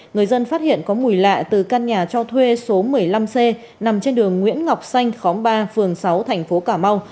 người dân phát hiện có mùi lạ từ căn nhà cho thuê số một mươi năm c nằm trên đường nguyễn ngọc xanh khóm ba phường sáu thành phố cà mau